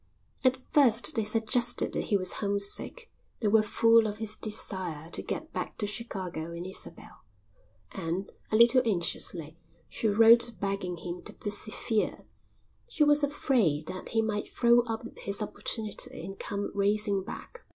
At first they suggested that he was homesick, they were full of his desire to get back to Chicago and Isabel; and, a little anxiously, she wrote begging him to persevere. She was afraid that he might throw up his opportunity and come racing back.